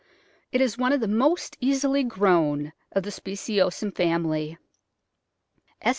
It is one of the most easily grown of the speciosum family. S.